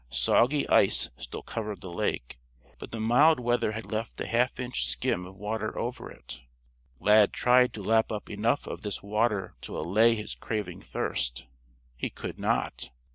Soggy ice still covered the lake, but the mild weather had left a half inch skim of water over it. Lad tried to lap up enough of this water to allay his craving thirst. He could not.